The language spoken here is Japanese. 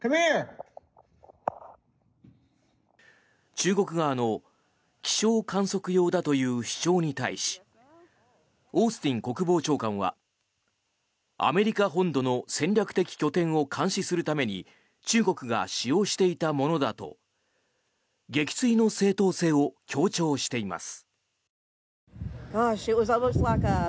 中国側の気象観測用だという主張に対しオースティン国防長官はアメリカ本土の戦略的拠点を監視するために中国が使用していたものだと撃墜の正当性を強調しています。